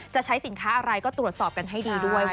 จะใช้สินค้าอะไรก็ตรวจสอบกันให้ดีด้วย